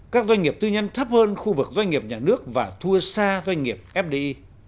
các doanh nghiệp tư nhân thấp hơn khu vực doanh nghiệp nhà nước và thua xa doanh nghiệp fdi